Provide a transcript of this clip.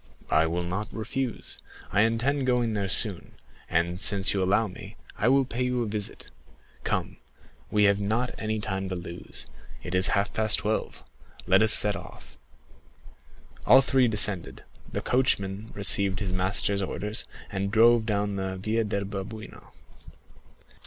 "I will not refuse; I intend going there soon, and since you allow me, I will pay you a visit. Come, we have not any time to lose, it is half past twelve—let us set off." All three descended; the coachman received his master's orders, and drove down the Via del Babuino.